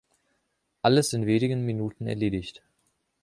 Alles in wenigen Minuten erledigt.